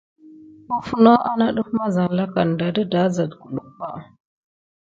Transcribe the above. Uffono ana def mazalaka misan kulun nateba asoh tupay ba.